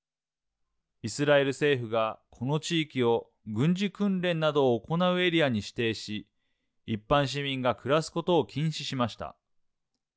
イスラエル政府がこの地域を軍事訓練などを行うエリアに指定し一般市民が暮らすことを禁止しました。